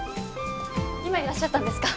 今いらっしゃったんですか。